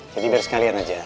jadi biar sekalian aja